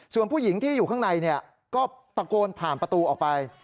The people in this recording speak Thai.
ส่วนผู้หญิงที่อยู่ข้างในก็ตะโกนผ่านประตูออกไป